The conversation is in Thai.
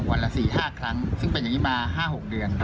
ละ๔๕ครั้งซึ่งเป็นอย่างนี้มา๕๖เดือน